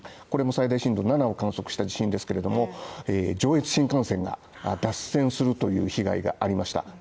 これも最大震度７を観測した地震ですけれども、上越新幹線が脱線するという被害がありました。